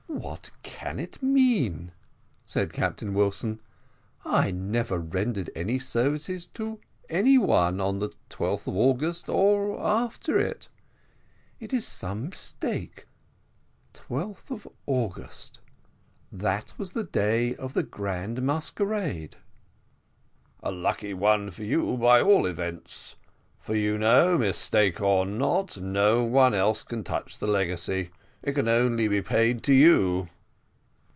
"What can it mean?" said Captain Wilson. "I never rendered any services to any one on the 12th of August or after it. It is some mistake 12th of August that was the day of the grand masquerade." "A lucky one for you, at all events for you know, mistake or not, no one else can touch the legacy. It can only be paid to you."